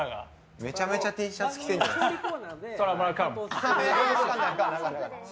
めちゃくちゃＴシャツを着てるじゃないですか。